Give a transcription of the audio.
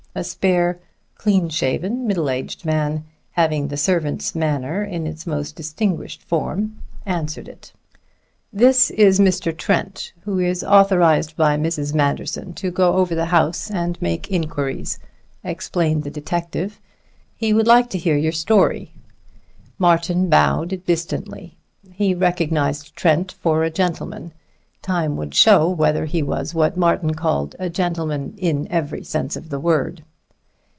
A spare, clean shaven, middle aged man, having the servant's manner in its most distinguished form, answered it. "This is Mr. Trent, who is authorized by Mrs. Manderson to go over the house and make inquiries," explained the detective. "He would like to hear your story." Martin bowed distantly. He recognized Trent for a gentleman. Time would show whether he was what Martin called a gentleman in every sense of the word.